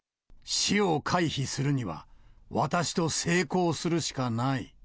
死を回避するには、私と性交するしかない。